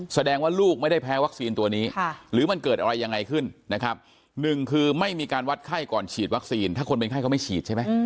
แสดงว่าลูกไม่ได้แพ้วัคซีนตัวนี้หรือมันเกิดอะไรยังไงขึ้นนะครับหนึ่งคือไม่มีการวัดไข้ก่อนฉีดวัคซีนถ้าคนเป็นไข้เขาไม่ฉีดใช่ไหม